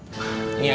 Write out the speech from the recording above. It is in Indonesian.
kamu silver sticknya